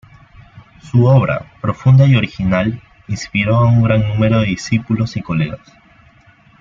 Su obra, profunda y original, inspiró a un gran número de discípulos y colegas.